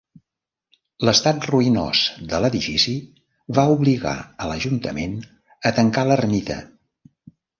L'estat ruïnós de l'edifici va obligar a l'Ajuntament a tancar l'ermita.